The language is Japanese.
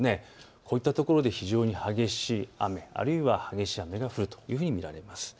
こういったところで非常に激しい雨、あるいは激しい雨が降るというふうに見られます。